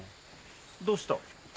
どうした？